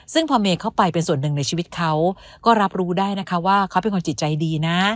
ซึ่งพอเมย์เข้าไปเป็นส่วนหนึ่งในชีวิตเขาก็รับรู้ได้นะคะว่าเขาเป็นคนจิตใจดีนะ